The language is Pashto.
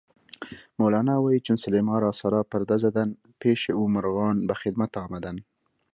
مولانا وایي: "چون سلیمان را سرا پرده زدند، پیشِ او مرغان به خدمت آمدند".